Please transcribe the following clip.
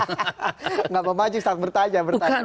enggak memancing ustaz bertanya bertanya